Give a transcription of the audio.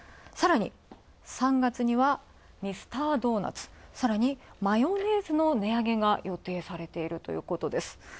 さらに３月には、ミスタードーナツ、さらに、マヨネーズの値上げが予定されているということです。